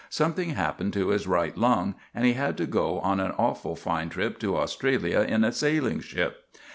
something happened to his right lung, and he had to go on an awful fine trip to Australia in a sailing ship.